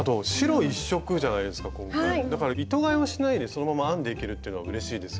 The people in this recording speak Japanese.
だから糸がえはしないでそのまま編んでいけるっていうのはうれしいですよね。